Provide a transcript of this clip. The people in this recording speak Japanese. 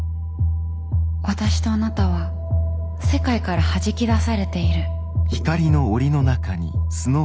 私とあなたは世界からはじき出されている。